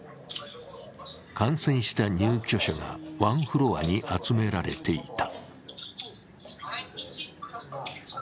感染した入居者がワンフロアに集められていた。